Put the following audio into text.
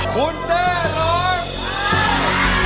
คุณเต้ร้อง